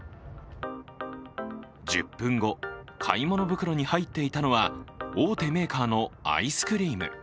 １０分後、買い物袋に入っていたのは大手メーカーのアイスクリーム。